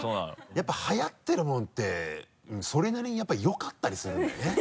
やっぱりはやってるものってそれなりにやっぱよかったりするんだよね。